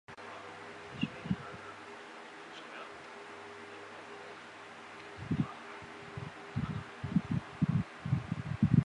四孔草为鸭跖草科蓝耳草属的植物。